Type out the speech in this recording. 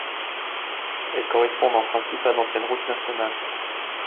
Elles correspondent, en principe, à d'anciennes routes nationales.